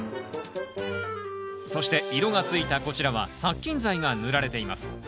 そして色がついたこちらは殺菌剤が塗られています。